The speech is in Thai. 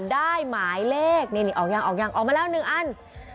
ได้หมายเลขนี่ออกยังออกมาแล้วหนึ่งอัน